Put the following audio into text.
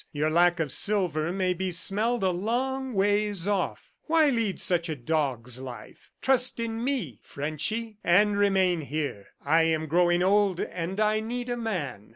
Your lack of silver may be smelled a long ways off. Why lead such a dog's life? Trust in me, Frenchy, and remain here! I am growing old, and I need a man."